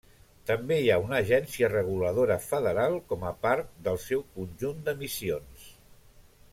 També hi ha una agència reguladora federal com a part del seu conjunt de missions.